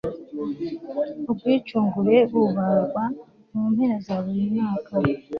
ubwicungure bubarwa mu mpera za buri mwaka